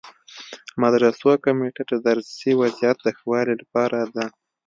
مدرسو کمیټه د درسي وضعیت د ښه والي لپاره ده.